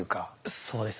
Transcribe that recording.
そうですね。